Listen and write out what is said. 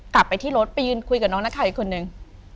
กลับไปที่รถไปยืนคุยกับน้องนักข่าวอีกคนนึง